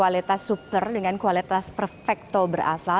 saya ingin kualitas super dengan kualitas perfecto berasal